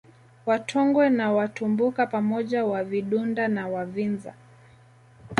Watongwe na Watumbuka pamoja Wavidunda na Wavinza